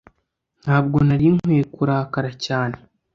ntabwo nari nkwiye kurakara cyane